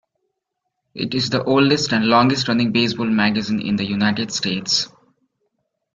It is the oldest and longest-running baseball magazine in the United States.